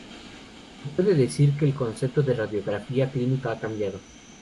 Se puede decir que el concepto de radiografía clínica ha cambiado.